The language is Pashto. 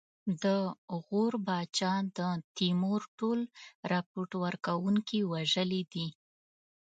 د غور پاچا د تیمور ټول رپوټ ورکوونکي وژلي دي.